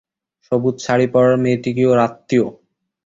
সবুজ শাড়িপরা মেয়েটি কি ওঁর আত্মীয়?